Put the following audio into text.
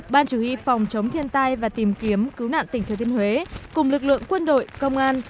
ban chủ y phòng chống thiên tai và tìm kiếm cứu nạn tỉnh thừa thiên huế cùng lực lượng quân đội công an